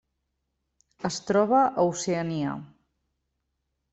Es troba a Oceania: